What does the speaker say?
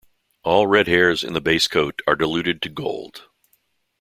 All red hairs in the base coat are diluted to gold.